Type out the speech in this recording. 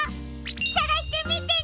さがしてみてね！